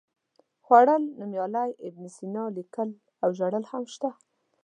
خوړل، نومیالی، ابن سینا، لیکل او ژړل هم شته.